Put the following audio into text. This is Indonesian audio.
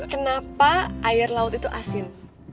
kenapa air laut itu asin